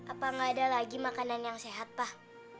apa nggak ada lagi makanan yang sehat pak